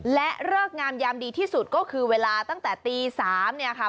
และเลิกงามยามดีที่สุดก็คือเวลาตั้งแต่ตี๓เนี่ยค่ะ